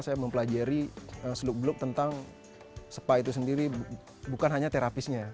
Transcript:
saya mempelajari seluk beluk tentang spa itu sendiri bukan hanya terapisnya